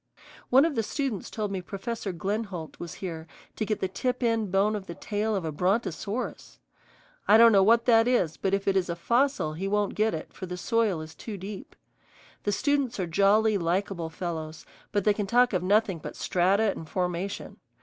One of the students told me Professor Glenholdt was here to get the tip end bone of the tail of a brontosaurus. I don't know what that is, but if it is a fossil he won't get it, for the soil is too deep. The students are jolly, likable fellows, but they can talk of nothing but strata and formation.